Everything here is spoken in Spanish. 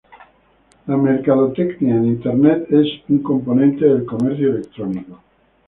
La mercadotecnia en Internet es un componente del comercio electrónico.